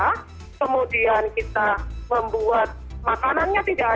kami twee ular ini bakal jaringin deh subtitle explainer nah ketika luar daripada napas eh bukunung tatem takut